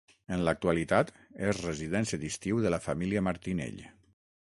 En l'actualitat és residència d'estiu de la família Martinell.